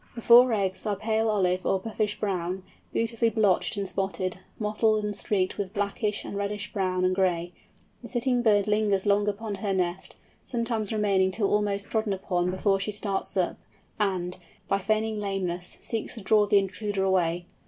The four eggs are pale olive or buffish brown, beautifully blotched and spotted, mottled and streaked with blackish and reddish brown and gray. The sitting bird lingers long upon her nest, sometimes remaining till almost trodden upon before she starts up, and, by feigning lameness, seeks to draw the intruder away.